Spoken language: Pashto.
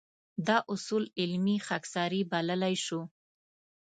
دا اصول علمي خاکساري بللی شو.